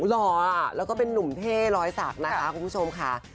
หล่อแล้วก็เป็นนุ่มเท่รอยสักนะคะคุณผู้ชมค่ะ